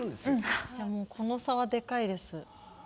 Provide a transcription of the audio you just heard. でもこの差はでかいです。